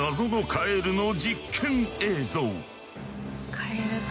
カエルか。